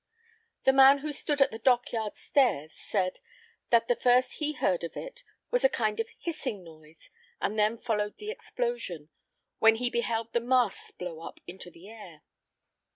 The man who stood at the Dock yard stairs, said, that the first he heard of it was a kind of hissing noise, and then followed the explosion, when he beheld the masts blown up into the air.